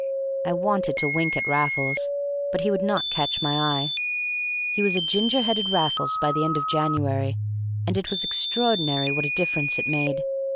I wanted to wink at Raffles, but he would not catch my eye. He was a ginger headed Raffles by the end of January, and it was extraordinary what a difference it made.